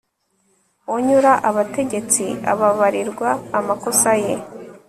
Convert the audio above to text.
unyura abategetsi ababarirwa amakosa ye